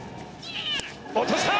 落とした！